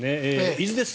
伊豆です。